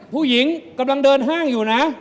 ผู้หญิงกำลังเดินห้างอยู่นะ